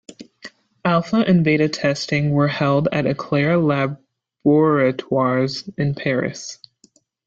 Alpha and beta testing were held at Eclair Laboratoires in Paris.